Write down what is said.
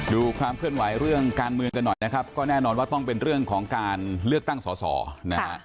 ดูความเคลื่อนไหวเรื่องการเมืองกันหน่อยนะครับก็แน่นอนว่าต้องเป็นเรื่องของการเลือกตั้งสอสอนะฮะ